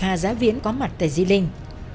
hà giám viễn có mặt tại di linh